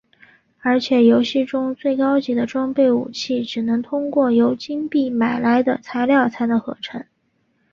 而且游戏中最高级的装备武器只能通过由金币买来的材料才能合成。